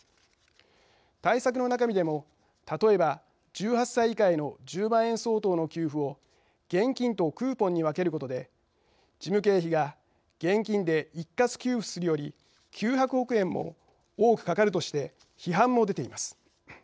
対策の中身でも、例えば１８歳以下への１０万円相当の給付を現金とクーポンに分けることで事務経費が現金で一括給付するより９００億円も多くかかるとして批判も出ています。